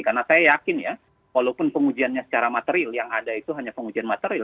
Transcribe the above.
karena saya yakin ya walaupun pengujiannya secara materil yang ada itu hanya pengujian materil